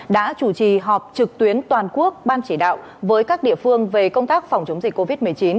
đã chủ trì họp trực tuyến toàn quốc ban chỉ đạo với các địa phương về công tác phòng chống dịch covid một mươi chín